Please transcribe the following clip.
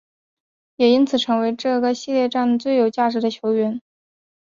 也因此成为这个系列战的最有价值球员。